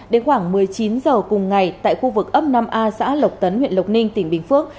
đến khoảng một mươi chín h cùng ngày tại khu vực ấp năm a xã lộc tấn huyện lộc ninh tỉnh bình phước